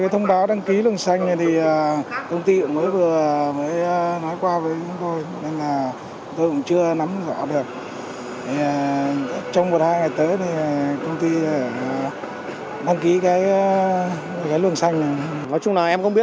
theo thống kê